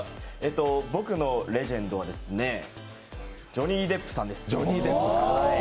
僕のレジェンドはですね、ジョニー・デップさんです。